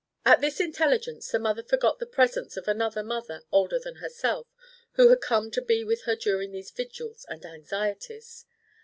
At this intelligence the mother forgot the presence of another mother older than herself who had come to be with her during these vigils and anxieties.